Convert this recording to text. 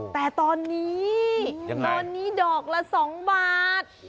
แต่ตอนนี้ตอนนี้ดอกละ๒บาท